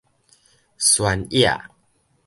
萱野